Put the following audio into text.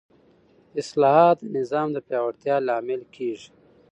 اصلاحات د نظام د پیاوړتیا لامل کېږي